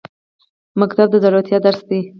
ښوونځی د زړورتیا درس دی